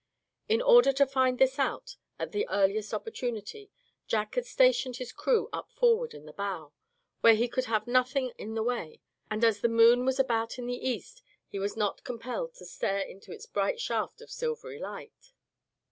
In order to find this out at the earliest opportunity Jack had stationed his "crew" up forward in the bow, where he could have nothing in the way; and as the moon was about in the east he was not compelled to stare into its bright shaft of silvery light.